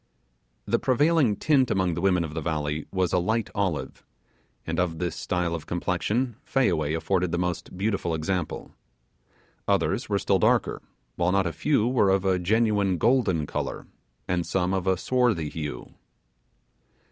The prevailing tint among the women of the valley was a light olive, and of this style of complexion Fayaway afforded the most beautiful example. Others were still darker; while not a few were of a genuine golden colour, and some of a swarthy hue.